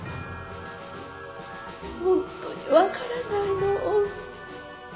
本当に分からないの。